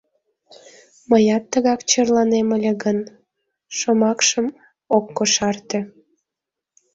Мыят тыгак черланем ыле гын... — шомакшым ок кошарте.